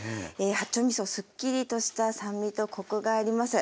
八丁みそすっきりとした酸味とコクがあります。